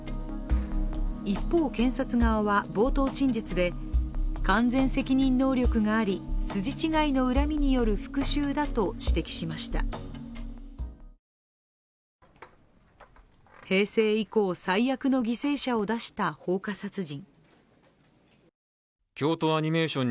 一方、検察側は冒頭陳述で完全責任能力があり筋違いの恨みによる復しゅうだと指摘しました平成以降最悪の犠牲者を出した放火殺人。